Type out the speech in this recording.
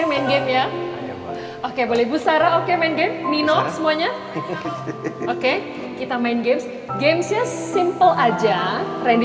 main game ya oke boleh busara oke main game nino semuanya oke kita main game game simple aja randy